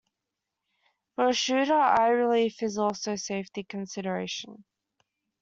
For a shooter, eye relief is also a safety consideration.